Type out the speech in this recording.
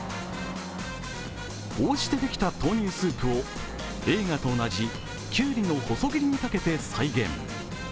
こうしてできた豆乳スープ映画と同じきゅうりの細切りにかけて再現。